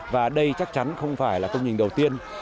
và đây chắc chắn không phải là công trình đầu tiên